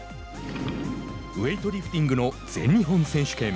ウエイトリフティングの全日本選手権。